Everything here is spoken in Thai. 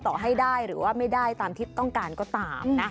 ต่อให้ได้หรือว่าไม่ได้ตามที่ต้องการก็ตามนะ